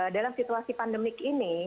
dalam situasi pandemik ini